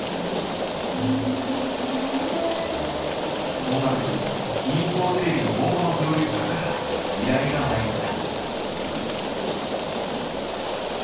そんなとき民放テレビの大物プロデューサーから依頼が舞い込んだ。